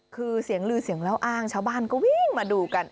คือเสียงลือเสียงเล่าอ้างชาวบ้านก็วิ่งมาดูกัน